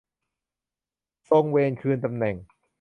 ทรงเวนคืนตำแหน่ง